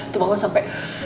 tuh mama sampe